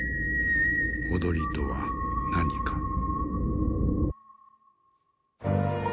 踊りとは何か。